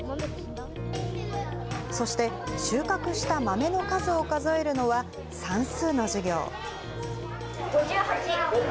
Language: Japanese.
そして、収穫した豆の数を数えるのは、算数の授業。